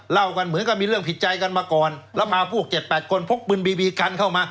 เล่ากันเหมือนกับมีเรื่องผิดใจกันมาก่อนแล้วพาพวก๗๘คนพกปืนบีบีกันเข้ามา